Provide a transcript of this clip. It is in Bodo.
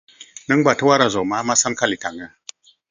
नों बाथौ आर'जआव मा मा सानखालि थाङो?